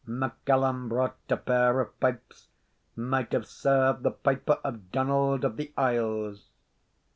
MacCallum brought a pair of pipes might have served the piper of Donald of the Isles.